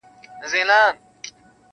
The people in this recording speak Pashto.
ټول غزل غزل سوې دواړي سترګي دي شاعري دي,